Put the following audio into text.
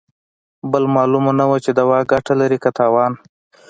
بل مالومه نه وه چې دوا ګته لري که تاوان.